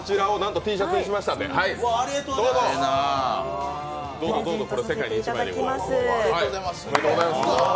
こちらをＴシャツにしましたので、どうぞ、これ、世界で１枚でございます。